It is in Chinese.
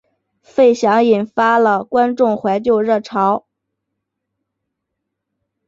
费翔引发了观众怀旧热潮。